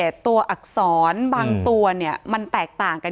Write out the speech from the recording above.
ใช่ค่ะเขาจะมีการตั้งข้อสังเกต